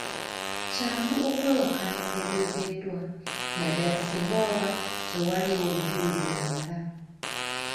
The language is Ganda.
Kyangu okwewakana ebyogeddwa naddala singa waba tewaliiwo bujulizi bumala.